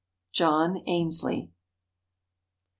John Ainslie.